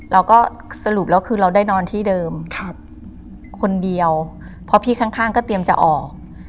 เราก็สรุปแล้วคือเราได้นอนที่เดิมคนเดียวเพราะพี่ข้างก็เตรียมจะออก